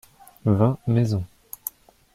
Vingt maisons.